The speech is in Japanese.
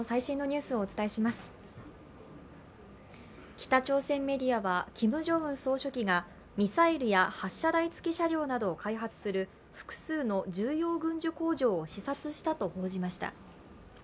北朝鮮メディアはキム・ジョンウン総書記がミサイルや発射台つき車両などを開発する複数の重要軍需工場を視察したと報じました。